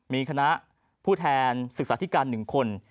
มีคณะผู้แทนศึกษาธิการ๑คน